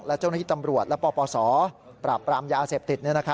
และเจ้าหน้าที่ตำรวจและปปศปราบปรามยาเสพติด